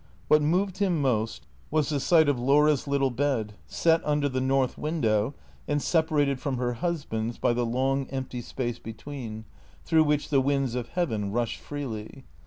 AATiat moved him most was the sight of Laura's little bed, set under the north window, and separated from her husband's by the long empty space between, through which the winds of heaven rushed freely.